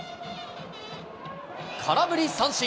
空振り三振。